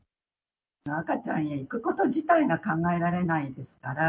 赤ちゃんへ行くこと自体が考えられないですから。